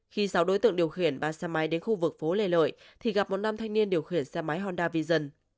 khi sáu đối tượng điều khiển ba xe máy đến khu vực phố lê lợi thì gặp một nam thanh niên điều khiển xe máy honda vision